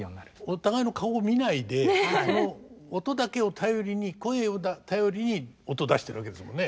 お互いの顔を見ないでこの音だけを頼りに声を頼りに音出してるわけですもんね。